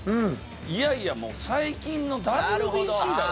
いやいや最近のＷＢＣだろ。